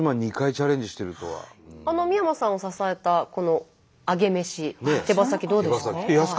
三山さんを支えたこのアゲメシ手羽先どうですか？